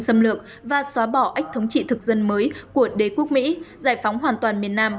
xâm lược và xóa bỏ ách thống trị thực dân mới của đế quốc mỹ giải phóng hoàn toàn miền nam